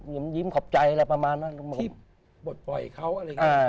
ยิ้มยิ้มขอบใจอะไรประมาณนั้นที่บทปล่อยเขาอะไรอย่างนี้อ่า